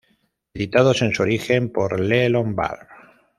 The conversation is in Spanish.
Editados en su origen por Le Lombard